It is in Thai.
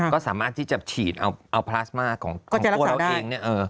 ก็สามารถที่จะฉีดเอาพลาสมาของตัวเราเอง